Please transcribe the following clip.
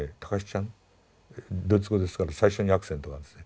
ちゃんドイツ語ですから最初にアクセントがあるんですね。